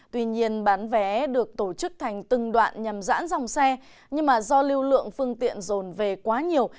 tuy nhiên bán vé được tổ chức thành từng đoạn nhằm dãn dòng xe nhưng do lưu lượng phương tiện rồn về quá nhiều